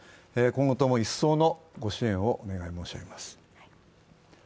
今後とも一層のご支援をお願い申し上げます。